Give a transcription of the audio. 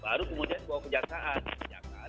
baru kemudian bawa ke jaksaan